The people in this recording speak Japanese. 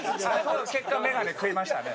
結果メガネ食いましたね。